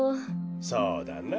そうだなあ。